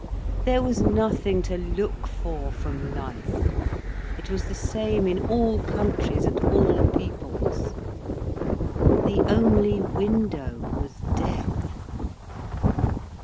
There was nothing to look for from life—it was the same in all countries and all peoples. The only window was death.